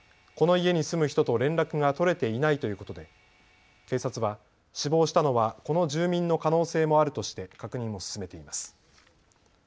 この家に住む人と連絡が取れていないということで警察は死亡したのはこの住人の可能性もあるとして確認を進めています。